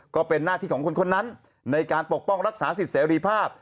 ก็เป็นหน้าที่ของคนนั้นในการปกป้องรักษาสิทธิเสรีภาพ